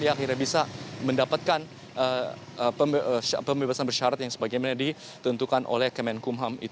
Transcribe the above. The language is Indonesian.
akhirnya bisa mendapatkan pembebasan bersyarat yang sebagaimana ditentukan oleh kemenkumham